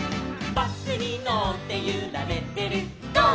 「バスにのってゆられてるゴー！